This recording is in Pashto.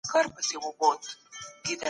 جامې انسان نه جوړوي.